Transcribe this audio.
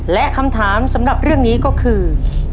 และคำถามสำหรับเรื่องนี้ก็คือ